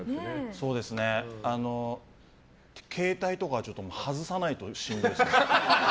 そうですね、携帯とかは外さないとしんどいですね。